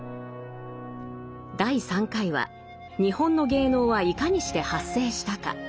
第３回は日本の芸能はいかにして発生したか？